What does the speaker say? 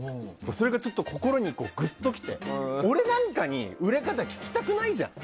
それがちょっと心にぐっときて俺なんかに売れ方ききたくないじゃん。